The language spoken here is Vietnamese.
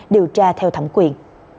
điều tra theo thẩm quyền